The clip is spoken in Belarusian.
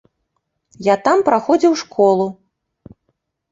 Я там праходзіў школу.